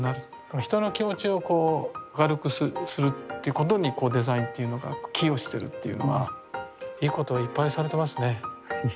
人の気持ちを明るくするっていうことにデザインが寄与してるっていうのはいいことをいっぱいされてますね。